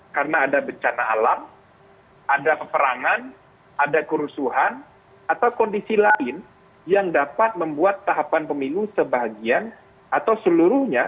karena ada bencana alam ada peperangan ada kerusuhan atau kondisi lain yang dapat membuat tahapan pemilu sebagian atau seluruhnya